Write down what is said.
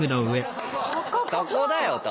そこだよと。